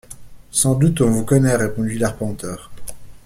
Sans doute, on vous connaît, répondit l’arpenteur.